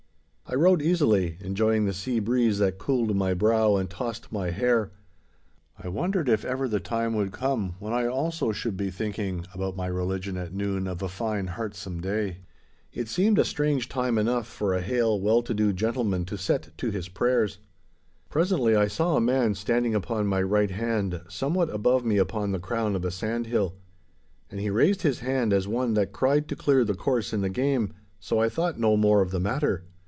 I rode easily, enjoying the sea breeze that cooled my brow and tossed my hair. I wondered if ever the time would come, when I also should be thinking about my religion at noon of a fine heartsome day. It seemed a strange time enough for a hale, well to do gentleman to set to his prayers. Presently I saw a man standing upon my right hand somewhat above me upon the crown of a sandhill. And he raised his hand as one that cried to clear the course in the game, so I thought no more of the matter.